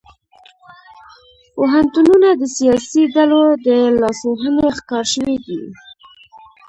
پوهنتونونه د سیاسي ډلو د لاسوهنې ښکار شوي دي